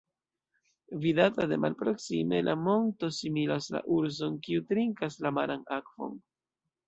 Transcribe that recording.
Vidata de malproksime la monto similas la urson, kiu trinkas la maran akvon.